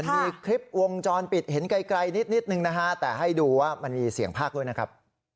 มีคลิปวงจรปิดเห็นไกลนิดนึงนะฮะแต่ให้ดูว่ามันมีเสียงภาคด้วยนะครับ